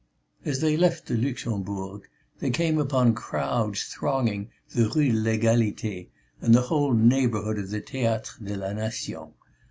As they left the Luxembourg, they came upon crowds thronging the Rue de l'Égalité and the whole neighbourhood of the Théâtre de la Nation.